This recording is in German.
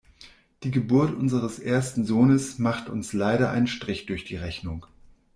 Die Geburt unseres ersten Sohnes macht uns leider einen Strich durch die Rechnung.